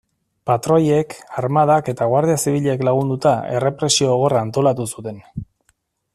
Patroiek, armadak eta Guardia Zibilek lagunduta, errepresio gogorra antolatu zuten.